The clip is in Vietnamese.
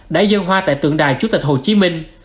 đã dân hoa tại tượng đài chủ tịch hồ chí minh